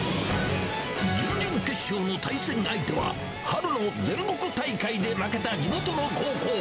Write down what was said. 準々決勝の対戦相手は、春の全国大会で負けた地元の高校。